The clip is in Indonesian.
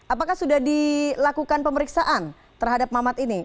apakah sudah dilakukan pemeriksaan terhadap mamat ini